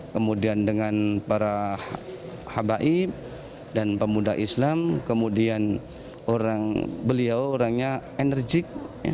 kemudian dengan para habaib dan pemuda islam kemudian beliau orangnya enerjik